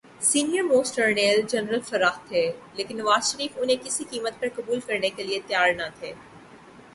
Senior most جرنیل general Farrukh تھے‘ لیکن نواز شریف انہیں کسی قیمت پر قبول کرنے کیلئے تیار نہ تھے۔